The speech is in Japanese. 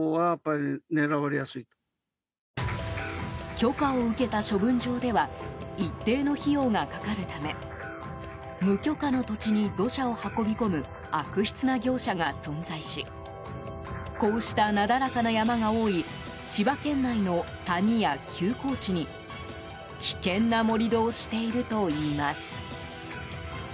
許可を受けた処分場では一定の費用がかかるため無許可の土地に土砂を運び込む悪質な業者が存在しこうしたなだらかな山が多い千葉県内の谷や休耕地に危険な盛り土をしているといいます。